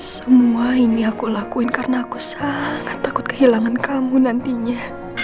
semua ini aku lakuin karena aku sangat takut kehilangan kamu nantinya